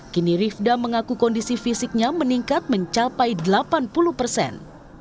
kini rivda mengaku kondisi fisiknya meningkat mencapai delapan puluh persen